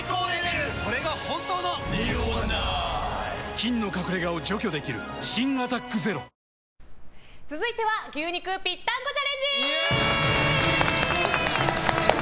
菌の隠れ家を除去できる新「アタックＺＥＲＯ」続いては牛肉ぴったんこチャレンジ！